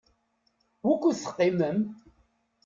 Wukud teqqimem?